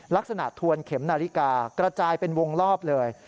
ลักษณะถวนเข็มหนาฬิกากระจายเป็นวงลอบเลย